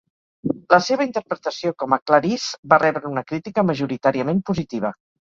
La seva interpretació com a Clarisse va rebre una crítica majoritàriament positiva.